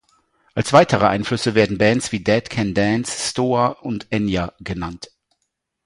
Als weitere Einflüsse werden Bands wie Dead Can Dance, Stoa und Enya genannt.